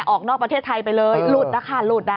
ออกนอกประเทศไทยไปเลยหลุดนะคะหลุดอ่ะ